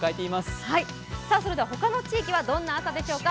それでは他の地域はどんな朝でしょうか。